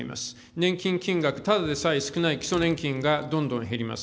年金金額、ただでさえ少ない基礎年金がどんどん減ります。